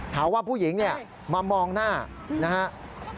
หาว่าผู้หญิงเนี่ยมามองหน้านะครับ